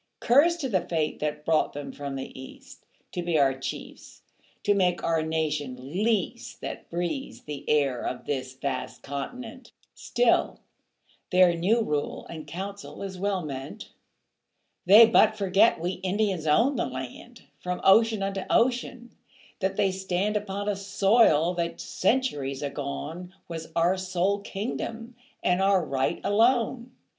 Curse to the fate that brought them from the East To be our chiefs to make our nation least That breathes the air of this vast continent. Still their new rule and council is well meant. They but forget we Indians owned the land From ocean unto ocean; that they stand Upon a soil that centuries agone Was our sole kingdom and our right alone.